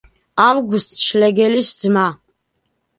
ავგუსტ შლეგელის ძმა.